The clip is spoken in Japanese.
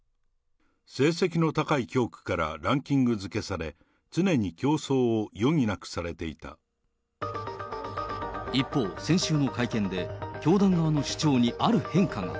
成績の高い教区からランキング付けされ、常に競争を余儀なく一方、先週の会見で、教団側の主張にある変化が。